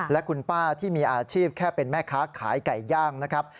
และคุณป้าที่มีอาชีพแค่เป็นแม่ค้าขายไก่ย่างนะครับ